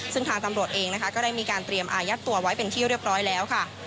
ซึ่งทางตำรวจเองนะคะก็ได้มีการเตรียมอายัดตัวไว้เป็นที่เรียบร้อยแล้วค่ะ